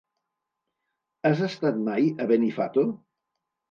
Has estat mai a Benifato?